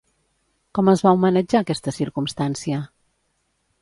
Com es va homenatjar aquesta circumstància?